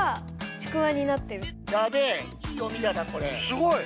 すごい！